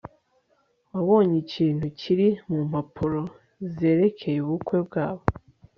wabonye ikintu kiri mu mpapuro zerekeye ubukwe bwabo